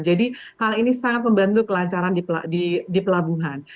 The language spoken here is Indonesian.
jadi hal ini sangat membantu kelancaran di pelabuhan